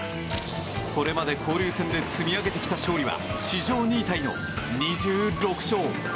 これまで交流戦で積み上げてきた勝利は史上２位タイの２６勝。